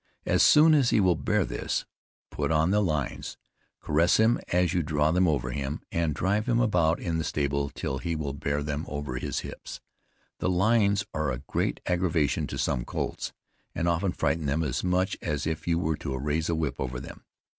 As soon as he will bear this, put on the lines, caress him as you draw them over him, and drive him about in the stable till he will bear them over his hips. The lines are a great aggravation to some colts, and often frighten them as much as if you were to raise a whip over them.